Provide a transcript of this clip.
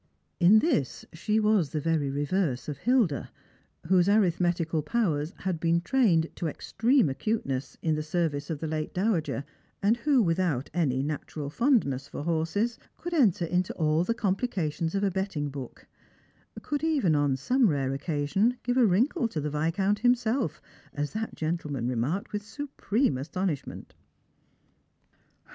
In this she was the very reverse of Hilda, whose arithmetical powers had been trained to extreme acnteness in the service of the late dowager, and who, without any natural fondness 274 Strangers and Pilgrimg. for horses, could enter into all the complications of a betting book ; could even, on some rare occasion, give a wrinkle to the Viscount himself, as that gentleman remarked with supreme astonishment.